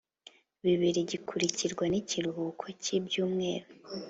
Bibiri gikurikirwa n ikiruhuko cy ibyumweru